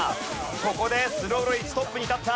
ここでスローロリストップに立った。